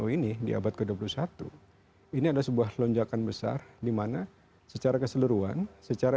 ini di abad ke dua puluh satu ini ada sebuah lonjakan besar dimana secara keseluruhan secara